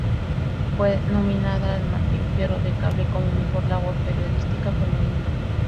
Fue nominada al Martín Fierro de Cable como Mejor Labor Periodística Femenina.